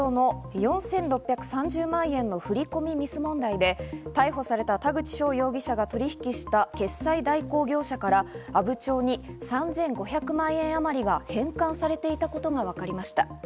山口県阿武町の４６３０万円の振り込みミス問題で、逮捕された田口翔容疑者が取引した決済代行業者から阿武町に３５００万円あまりが返還されていたことがわかりました。